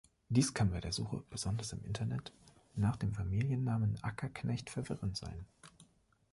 Dies kann bei der Suche, besonders im Internet, nach dem Familiennamen Ackerknecht verwirrend sein.